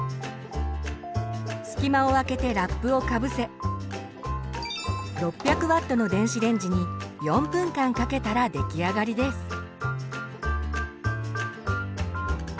隙間をあけてラップをかぶせ６００Ｗの電子レンジに４分間かけたら出来上がりです。